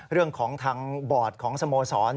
เรื่องของทางบอร์ดของสโมสร